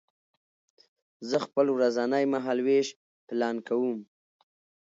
زه خپل ورځنی مهالوېش پلان کوم.